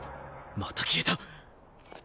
また消えた。